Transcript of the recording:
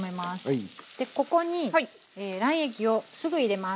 でここに卵液をすぐ入れます。